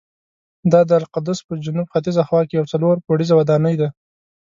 دا د القدس په جنوب ختیځه خوا کې یوه څلور پوړیزه ودانۍ ده.